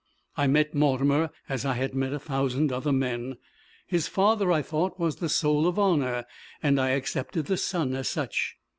I met Mortimer as I had met a thousand other men. His father, I thought, was the soul of honour, and I accepted the son as such.